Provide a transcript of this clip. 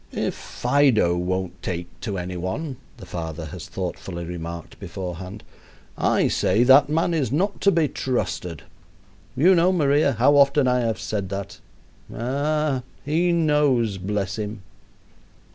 "If Fido won't take to any one," the father has thoughtfully remarked beforehand, "I say that man is not to be trusted. You know, Maria, how often I have said that. Ah! he knows, bless him."